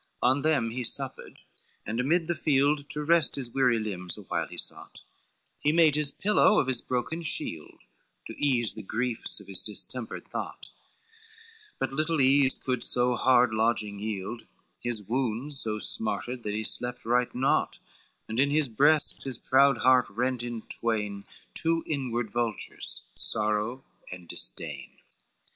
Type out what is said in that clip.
VI On them he supped, and amid the field To rest his weary limbs awhile he sought, He made his pillow of his broken shield To ease the griefs of his distempered thought, But little ease could so hard lodging yield, His wounds so smarted that he slept right naught, And, in his breast, his proud heart rent in twain, Two inward vultures, Sorrow and Disdain.